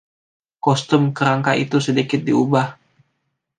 Kostum kerangka itu sedikit diubah.